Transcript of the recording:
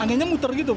anginnya muter gitu